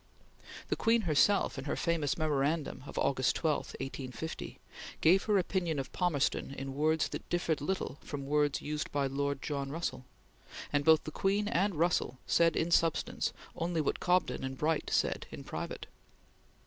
The Queen herself in her famous memorandum of August 12, 1850, gave her opinion of Palmerston in words that differed little from words used by Lord John Russell, and both the Queen and Russell said in substance only what Cobden and Bright said in private.